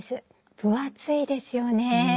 分厚いですよね。